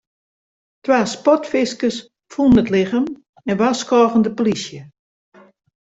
Twa sportfiskers fûnen it lichem en warskôgen de polysje.